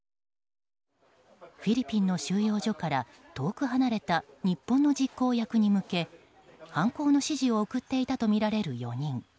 フィリピンの収容所から遠く離れた日本の実行役に向け犯行の指示を送っていたとみられる４人。